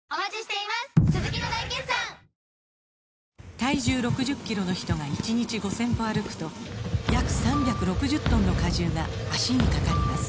体重６０キロの人が１日５０００歩歩くと約３６０トンの荷重が脚にかかります